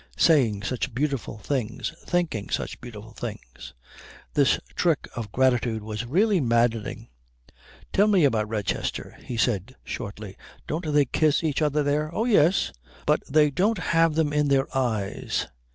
_ Saying such beautiful things, thinking such beautiful things." This trick of gratitude was really maddening. "Tell me about Redchester," he said shortly. "Don't they kiss each other there?" "Oh, yes. But they don't have them in their eyes."